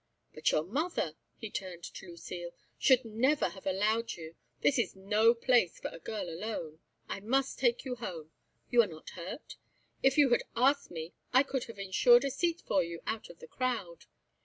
But your mother," he turned to Lucile, "should never have allowed you; this is no place for a girl alone. I must take you home. You are not hurt? If you had asked me, I could have ensured a seat for you out of the crowd.